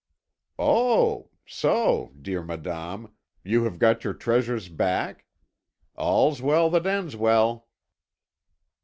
"Oh, so, dear Madame, you have got your treasures back. All's well that ends well."